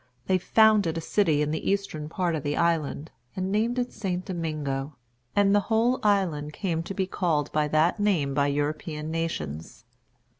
They founded a city in the eastern part of the island, and named it St. Domingo; and the whole island came to be called by that name by European nations.